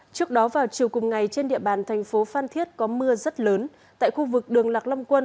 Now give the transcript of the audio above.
trước đó vào chiều cùng ngày trên địa bàn thành phố phan thiết có mưa rất lớn tại khu vực đường lạc long quân